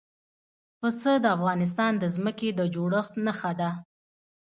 پسه د افغانستان د ځمکې د جوړښت نښه ده.